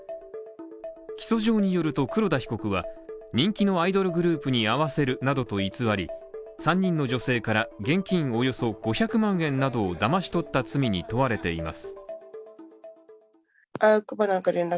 起訴状によると黒田被告は人気のアイドルグループに会わせるなどと偽り、３人の女性から現金およそ５００万円などをだまし取った罪に問われています